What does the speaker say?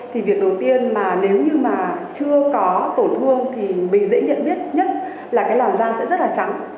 thì việc đầu tiên mà nếu như mà chưa có tổn thương thì mình dễ nhận biết nhất là cái làn da sẽ rất là trắng